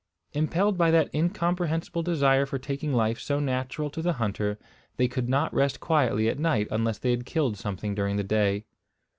Impelled by that incomprehensible desire for taking life so natural to the hunter, they could not rest quietly at night unless they had killed something during the day.